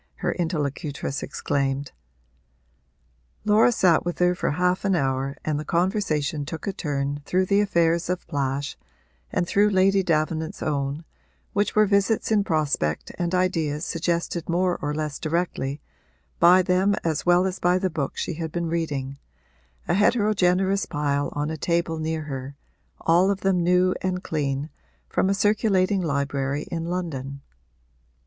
her interlocutress exclaimed. Laura sat with her for half an hour and the conversation took a turn through the affairs of Plash and through Lady Davenant's own, which were visits in prospect and ideas suggested more or less directly by them as well as by the books she had been reading, a heterogeneous pile on a table near her, all of them new and clean, from a circulating library in London.